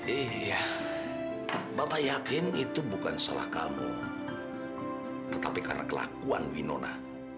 iya bapak yakin itu bukan salah kamu tetapi karena kelakuan winona